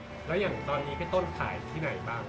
แล้วอย่างตอนนี้พี่ต้นขายที่ไหนบ้าง